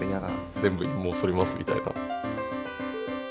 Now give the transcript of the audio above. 全部陰毛そりますみたいな。